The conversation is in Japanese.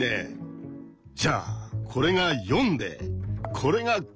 じゃあこれが「４」でこれが「５」ってことか。